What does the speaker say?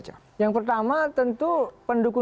tapi kadang kehbar n pekerja